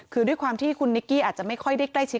คือด้วยความที่คุณนิกกี้อาจจะไม่ค่อยได้ใกล้ชิด